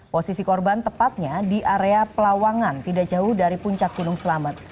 posisi korban tepatnya di area pelawangan tidak jauh dari puncak gunung selamet